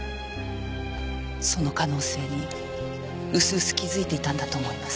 その可能性に薄々気づいていたんだと思います。